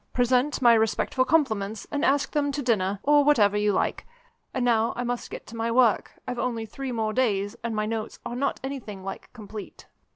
Present my respectful compliments, and ask them to dinner, or whatever you like. And now I must get to my work I've only three more days, and my notes are not anything like complete."